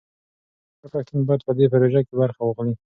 هر پښتون باید په دې پروژه کې برخه واخلي.